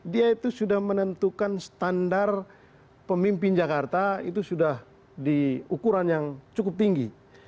dia itu sudah menentukan standar pemimpin jakarta itu sudah di ukuran yang cukup tinggi